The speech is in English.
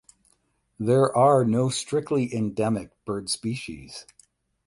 There are no strictly endemic bird species.